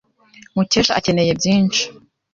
Mukesha akeneye byinshi.